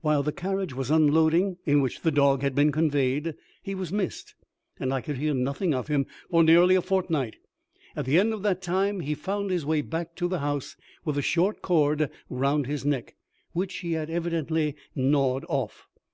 While the carriage was unloading in which the dog had been conveyed, he was missed, and I could hear nothing of him for nearly a fortnight; at the end of that time he found his way back to the house, with a short cord round his neck, which he had evidently gnawed off.